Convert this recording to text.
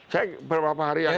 saya beberapa hari yang lalu